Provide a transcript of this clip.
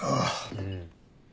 うん。